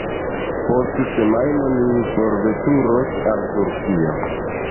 Post semajno ni forveturos al Turkio.